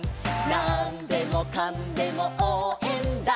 「なんでもかんでもおうえんだ！！」